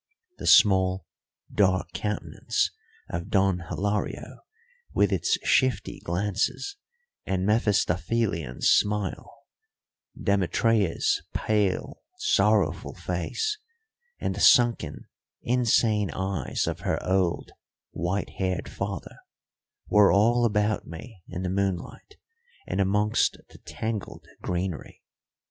The small, dark countenance of Don Hilario, with its shifty glances and Mephistophelian smile; Demetria's pale, sorrowful face; and the sunken, insane eyes of her old, white haired father were all about me in the moonlight and amongst the tangled greenery.